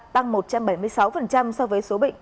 tăng một trăm bảy mươi sáu so với số bệnh